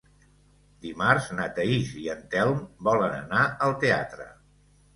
Dimarts na Thaís i en Telm volen anar al teatre.